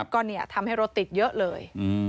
ก็ทำให้รถติดเยอะเลย